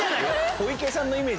小池さんのイメージ？